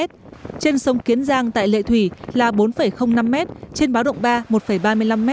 trên sông kiến giang tại lệ thủy là bốn năm m trên báo động ba một ba mươi năm m